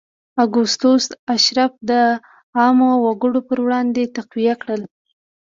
اګوستوس اشراف د عامو وګړو پر وړاندې تقویه کړل